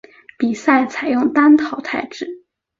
比赛采用单淘汰制。